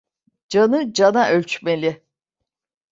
Canı cana ölçmeli.